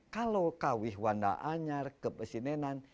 kalau kawi wandal anyar kepesinenan